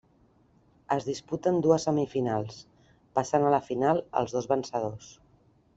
Es disputen dues semifinals, passant a la final els dos vencedors.